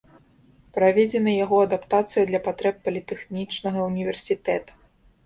Праведзена яго адаптацыя для патрэб політэхнічнага ўніверсітэта.